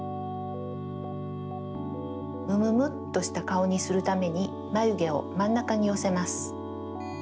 むむむっとしたかおにするためにまゆげをまんなかによせます。